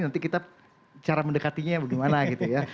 nanti kita cara mendekatinya bagaimana gitu ya